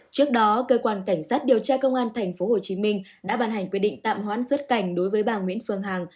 trước đó cơ quan cảnh sát điều tra công an tp hcm đã bàn hành quy định tạm hoãn xuất cảnh đối với bà nguyễn phương hằng